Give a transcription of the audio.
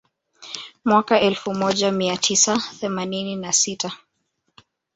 Mwaka elfu moja mia tisa themanini na sita